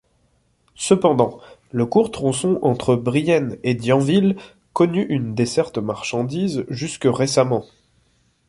Cependant, le court tronçon entre Brienne et Dienville connut une desserte marchandises jusque récemment.